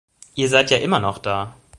Ihr seid ja immer noch da.